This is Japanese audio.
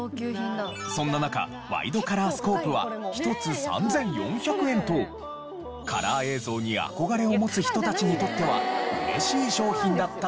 そんな中ワイドカラースコープは１つ３４００円とカラー映像に憧れを持つ人たちにとっては嬉しい商品だったという。